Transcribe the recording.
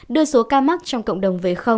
đưa số ca mắc trong cộng đồng v